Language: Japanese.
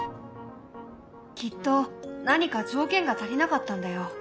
きっと何か条件が足りなかったんだよ。